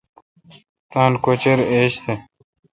تان کوچر ایج تھ۔